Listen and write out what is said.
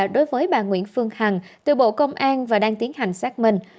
đối với bà nguyễn phương hằng từ bộ công an và đang tiến hành xác minh